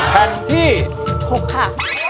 แผ่นที่๖ค่ะ